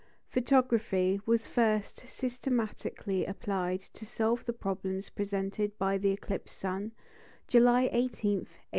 Photography was first systematically applied to solve the problems presented by the eclipsed sun, July 18, 1860.